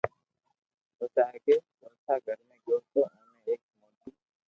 پسو آگي چوٿا گھر ۾ گيو تو اوني ايڪ موٺي